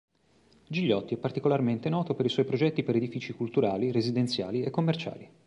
Gigliotti è particolarmente noto per i suoi progetti per edifici culturali, residenziali e commerciali.